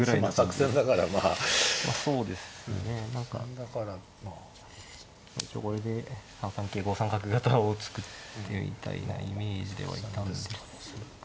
何か一応これで３三桂５三角型を作ってみたいなイメージではいたんですが。